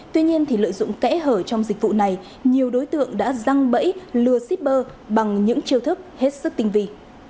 tuy nhiên lợi dụng kẽ hở trong dịch vụ này nhiều đối tượng đã răng bẫy lừa shipper bằng những chiêu thức hết sức tinh vị